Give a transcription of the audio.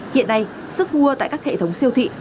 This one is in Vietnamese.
hiện nay sức mua tại các hệ thống siêu thị